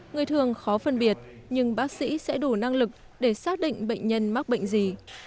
người thường khó phân biệt nhưng bác sĩ sẽ đủ năng lực để xác định bệnh nhân mắc bệnh gì